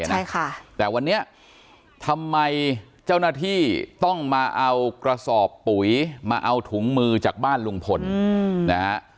ใช่ค่ะแต่วันนี้ทำไมเจ้าหน้าที่ต้องมาเอากระสอบปุ๋ยมาเอาถุงมือจากบ้านลุงพลนะฮะ